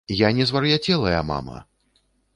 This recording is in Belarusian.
Я не звар'яцелая мама!